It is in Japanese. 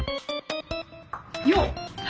よっ！